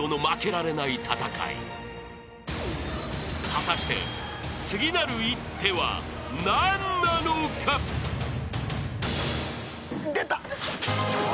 ［果たして次なる一手は何なのか？］出た。